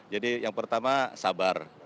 jadi yang pertama sabar